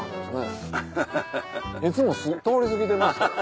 いつも通り過ぎてましたよ。